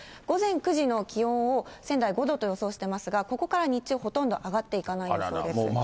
午前９時の気温を仙台５度と予想してますが、ここから日中、ほとんど上がっていかない予想です。